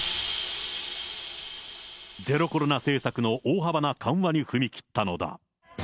ゼロコロナ政策の大幅な緩和に踏み切ったのだ。